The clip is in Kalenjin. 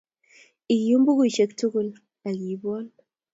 Iyum bukusyek tugul ak iibwon.